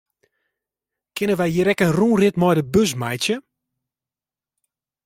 Kinne wy hjir ek in rûnrit mei de bus meitsje?